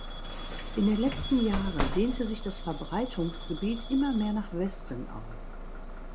In den letzten Jahren dehnte sich das Verbreitungsgebiet immer mehr nach Westen aus.